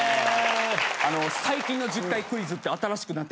最近の１０回クイズって新しくなってんねんって。